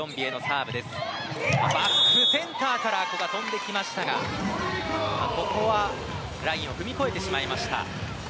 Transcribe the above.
センターから古賀が跳んできましたがラインを踏み越えてしまいました。